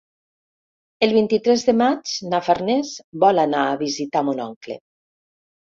El vint-i-tres de maig na Farners vol anar a visitar mon oncle.